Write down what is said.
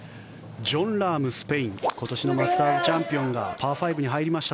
ジョン・ラーム、スペイン今年のマスターズチャンピオンがパー５に入りました。